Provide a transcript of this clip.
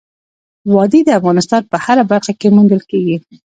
وادي د افغانستان په هره برخه کې موندل کېږي.